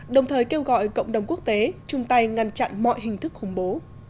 đồng thời kêu gọi cộng đồng quốc tế chung tay ngăn chặn mọi hình thức khủng bố